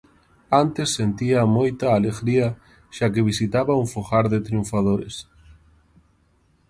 Antes sentía moita alegría xa que visitaba un fogar de triunfadores.